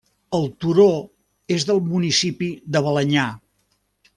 El turó és del municipi de Balenyà.